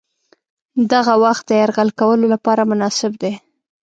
دغه وخت د یرغل کولو لپاره مناسب دی.